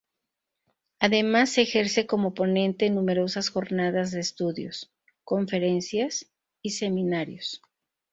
Además ejerce como ponente en numerosas jornadas de estudios, conferencias y seminarios.